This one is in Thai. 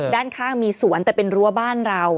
ด้านข้างมีสวนแต่เป็นรั้วบ้านเรา